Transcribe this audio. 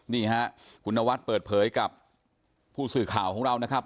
นี่ฮะคุณนวัดเปิดเผยกับผู้สื่อข่าวของเรานะครับ